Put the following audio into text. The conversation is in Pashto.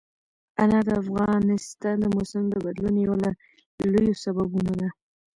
انار د افغانستان د موسم د بدلون یو له لویو سببونو ده.